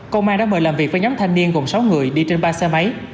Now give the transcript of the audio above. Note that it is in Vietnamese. công an đã mời làm việc với nhóm thanh niên gồm sáu người đi trên ba xe máy